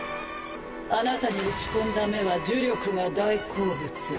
あなたに打ち込んだ芽は呪力が大好物。